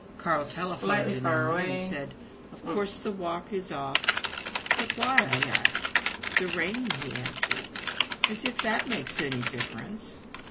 Carl telephoned anon and said, "Of course the walk is off." "But why?" I asked. "The rain!" he answered. "As if that makes any difference!"